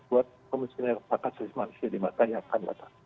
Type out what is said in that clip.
buat komisioner hak asasi manusia di masa yang akan datang